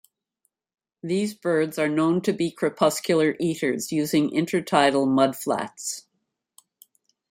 These birds are known to be crepuscular eaters, using intertidal mudflats.